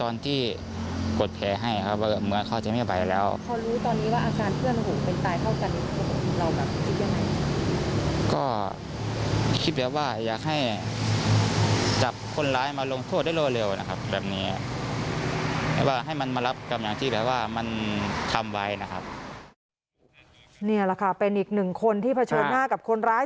นี่แหละค่ะเป็นอีกหนึ่งคนที่เผชิญหน้ากับคนร้าย